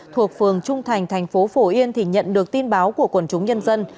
thuộc phường trung thành thành phố phổ yên thì nhận được tin báo của quần chúng nhân dân